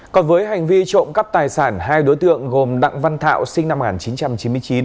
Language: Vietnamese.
còn với hành vi trộm cắp tài sản hai đối tượng gồm đặng văn thạo sinh năm một nghìn chín trăm chín mươi chín